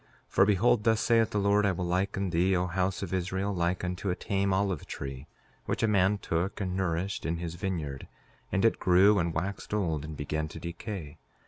5:3 For behold, thus saith the Lord, I will liken thee, O house of Israel, like unto a tame olive tree, which a man took and nourished in his vineyard; and it grew, and waxed old, and began to decay.